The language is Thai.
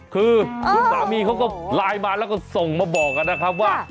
คือคุณสามีเขาก็ไลน์มาแล้วก็ส่งมาบอกกันนะครับว่า